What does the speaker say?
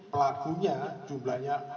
pelakunya jumlahnya empat